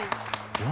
何？